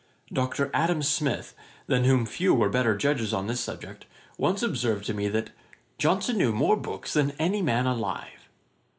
Dr. Adam Smith, than whom few were better judges on this subject, once observed to me that 'Johnson knew more books than any man alive.'